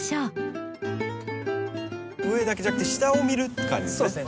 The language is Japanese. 上だけじゃなくて下を見るっていう感じですね。